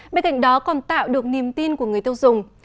bên cạnh đó còn tạo được niềm tin của người tiêu dùng